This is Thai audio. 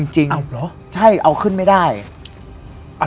จริงเอาขึ้นไม่ได้รึเปล่า